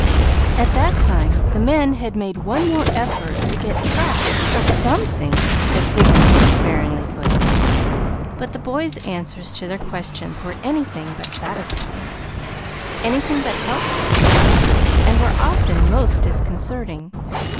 At that time the men had made one more effort to "get track of SOMETHING," as Higgins had despairingly put it. But the boy's answers to their questions were anything but satisfying, anything but helpful, and were often most disconcerting.